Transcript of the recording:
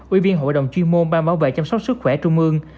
ủy viên hội đồng chuyên môn ban bảo vệ chăm sóc sức khỏe trung ương